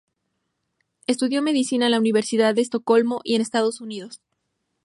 Estudió Medicina en la Universidad de Estocolmo y en Estados Unidos.